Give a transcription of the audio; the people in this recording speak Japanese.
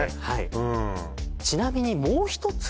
うんちなみにもう一つ